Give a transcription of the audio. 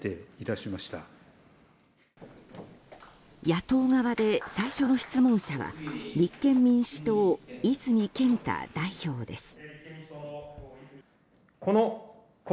野党側で最初の質問者は立憲民主党、泉健太代表です。